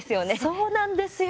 そうなんですよ。